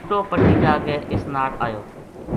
بوٹو پٹی جا کے اس ناڑ ایو